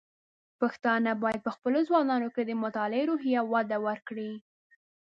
پښتانه بايد په خپلو ځوانانو کې د مطالعې روحيه وده ورکړي.